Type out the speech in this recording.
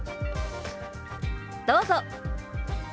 どうぞ。